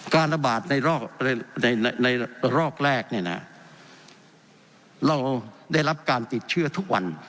การอบาดในรอกแรกเราได้รับการติดเชื่อทุกวัน